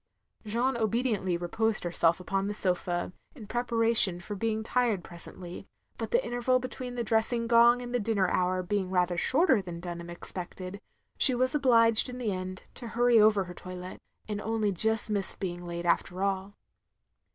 Jeanne obediently reposed herself upon the sofa, in preparation for being tired presently; but the interval between the dressing gong and the dinner hour being shorter than Dtmham expected, she was obliged, in the end, to hurry over her toilette; and only just missed being late after all.